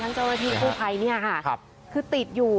ทั้งเจ้าหน้าที่ผู้ไพรคือติดอยู่